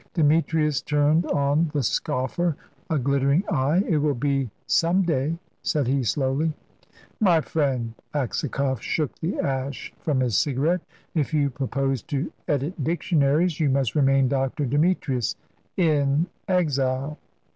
Demetrius turned on the scoffer a glittering eye. "It will be, some day," said he, slowly. "My friend" Aksakoff shook the ash from his cigarette "if you propose to edit dictionaries you must remain Dr. Demetrius in exile."